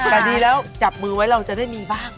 แต่ดีแล้วจับมือไว้เราจะได้มีบ้าง